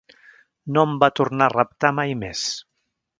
No em va tornar a reptar mai més.